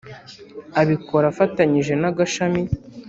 Abikora afatanyije n’Agashami